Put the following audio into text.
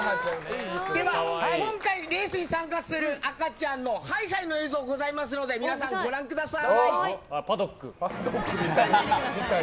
今回レースに参加する赤ちゃんのハイハイの映像がございますのでご覧ください。